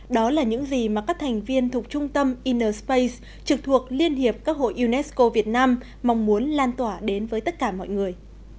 đó là những gì mà các thành viên thuộc trung tâm inner space trực thuộc liên hiệp các hội unesco việt nam mong muốn lan tỏa đến với tất cả mọi người